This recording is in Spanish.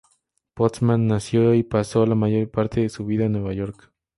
Postman nació y pasó la mayor parte de su vida en Nueva York.